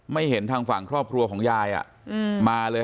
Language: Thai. เห็นทางฝั่งครอบครัวของยายมาเลย